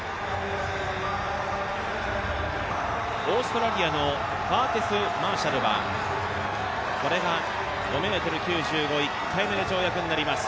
オーストラリアのマーシャルはこれが５ｍ９５、１回目の跳躍になります。